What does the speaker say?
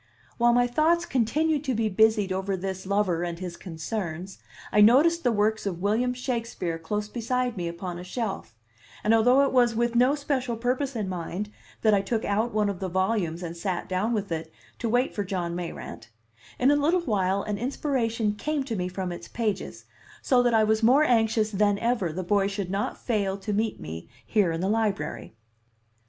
While my thoughts continued to be busied over this lover and his concerns, I noticed the works of William Shakespeare close beside me upon a shelf; and although it was with no special purpose in mind that I took out one of the volumes and sat down with it to wait for John Mayrant, in a little while an inspiration came to me from its pages, so that I was more anxious than ever the boy should not fail to meet me here in the Library.